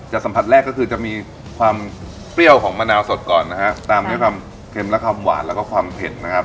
สัมผัสแรกก็คือจะมีความเปรี้ยวของมะนาวสดก่อนนะฮะตามด้วยความเค็มและความหวานแล้วก็ความเผ็ดนะครับ